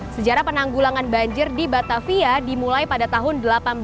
sejarah penanggulangan banjir di batavia dimulai pada tahun seribu delapan ratus sembilan puluh